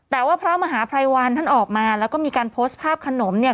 แต่ว่าพระมหาภัยวันท่านออกมาแล้วก็มีการโพสต์ภาพขนมเนี่ย